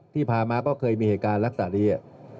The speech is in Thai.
ที่ผ่านมาก็เคยมีเหตุการณ์ลักษณะนี้